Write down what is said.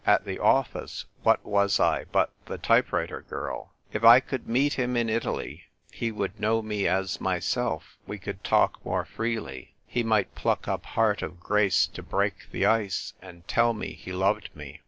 At the office, what was I but the type writer girl ? If I could meet him in Italy, he would know me as myself; we could talk more freely ; he might pluck up heart of grace to break the ice, and tell me he loved me.